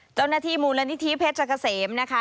เจ้าหน้าที่หมู่รณิทีพศกเซมนะค่ะ